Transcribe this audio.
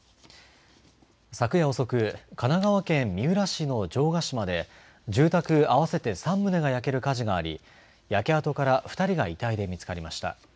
昨夜遅く、神奈川県三浦市の城ヶ島で、住宅合わせて３棟が焼ける火事があり、焼け跡から２人が遺体で見つかりました。